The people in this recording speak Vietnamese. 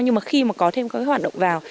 nhưng mà khi mà có thêm các hoạt động vào